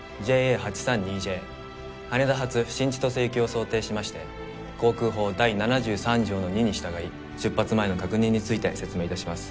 羽田発新千歳行きを想定しまして航空法第７３条の２に従い出発前の確認について説明致します。